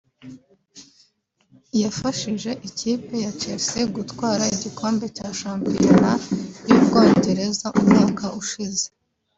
yafashije ikipe ya Chelsea gutwara igikombe cya shampiyona y’u Bwongereza umwaka ushize